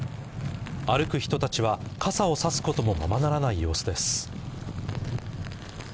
歩く人たちは傘を差すこともままならない様子です。